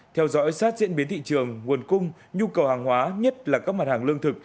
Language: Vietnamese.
theo dõi sát diễn biến thị trường nguồn cung nhu cầu hàng hóa nhất là các mặt hàng lương thực